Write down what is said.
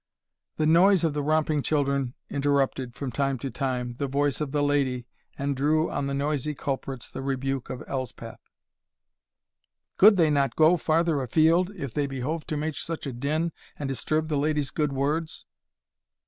The noise of the romping children interrupted, from time to time, the voice of the lady, and drew on the noisy culprits the rebuke of Elspeth. "Could they not go farther a field, if they behoved to make such a din, and disturb the lady's good words?"